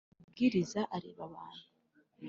aya mabwiriza areba abantu